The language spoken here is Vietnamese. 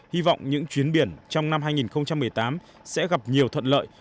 hy vọng những chuyến biển trong năm hai nghìn một mươi tám sẽ gặp nhiều thuận lợi